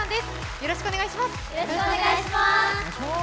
よろしくお願いします。